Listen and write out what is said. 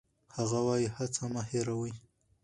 هغه وايي، هڅه مه هېروئ.